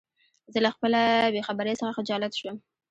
زه له خپله بېخبری څخه خجالت شوم.